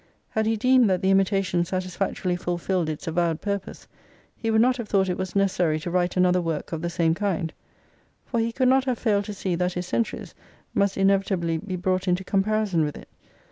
Had he deemed that the "Imitation" satisfactorily fulfilled its avowed purpose he would not have thought it was necessary to write another work of the same kind ; for he could not have failed to see that his " Centuries " must inevitably be brought into comparison with it.